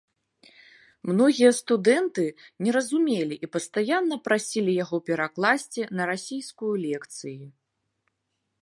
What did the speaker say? Многія студэнты не разумелі і пастаянна прасілі яго перакласці на расійскую лекцыі.